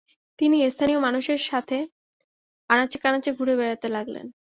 তিনি স্থানীয় মানুষদের সাথে আনাচে-কানাচে ঘুরে বেড়াতে লাগলেন।